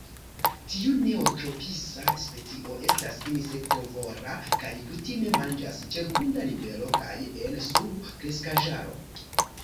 Tiu neotropisa specio estas insektovora kaj kutime manĝas ĉe grunda nivelo kaj en subkreskaĵaro.